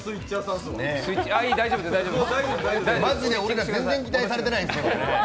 マジで俺が全然期待されてない。